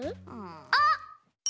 あっ！